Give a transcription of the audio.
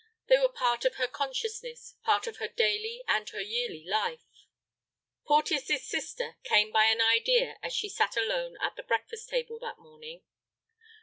They were part of her consciousness, part of her daily and her yearly life. Porteus's sister came by an idea as she sat alone at the breakfast table that morning.